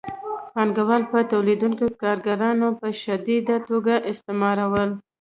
پانګوالو به تولیدونکي کارګران په شدیده توګه استثمارول